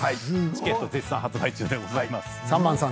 チケット絶賛発売中でございます。